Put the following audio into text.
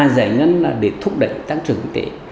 giải ngân là để thúc đẩy tác trưởng kỹ tế